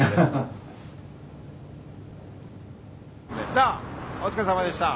じゃあお疲れさまでした。